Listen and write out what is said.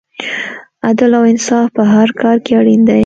عدل او انصاف په هر کار کې اړین دی.